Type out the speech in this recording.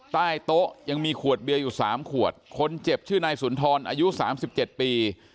ใต้โต๊ะยังมีขวดเบียร์อยู่๓ขวดคนเจ็บชื่อนายสุนทรอายุ๓๗ปี